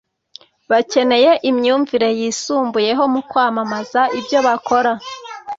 bakeneye imyumvire yisumbuyeho mu kwamamaza ibyo bakora